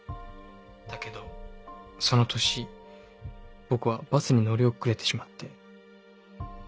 だけどその年僕はバスに乗り遅れてしまって。